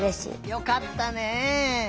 よかったね！